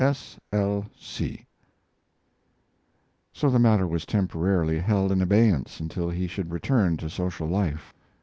S. L. C. So the matter was temporarily held in abeyance until he should return to social life.